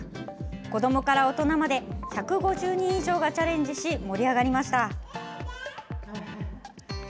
子どもから大人まで１５０人以上がチャレンジし盛り上がりました。